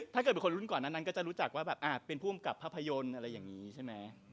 ถ้าเกิดเป็นคนรุ่นก่อนนั้นก็จะรู้จักว่าแบบเป็นผู้กำกับภาพยนตร์อะไรอย่างนี้ใช่ไหม